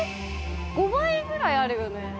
５倍ぐらいあるよね。